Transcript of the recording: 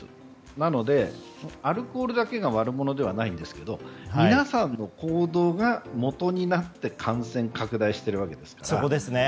なので、アルコールだけが悪者ではないんですが皆さんの行動がもとになって感染拡大しているわけですから。